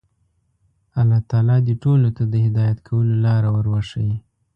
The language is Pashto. الله تعالی دې ټولو ته د هدایت کولو لاره ور وښيي.